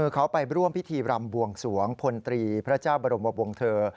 เขาไปร่วมพิธีรำบวงสวงพลตรีพระเจ้าบรมวงเถอร์